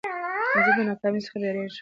زه د ناکامۍ څخه بېرېږم.